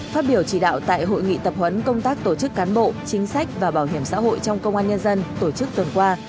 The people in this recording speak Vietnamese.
phát biểu chỉ đạo tại hội nghị tập huấn công tác tổ chức cán bộ chính sách và bảo hiểm xã hội trong công an nhân dân tổ chức tuần qua